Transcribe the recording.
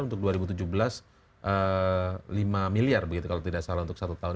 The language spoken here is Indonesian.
untuk dua ribu tujuh belas lima miliar begitu kalau tidak salah untuk satu tahun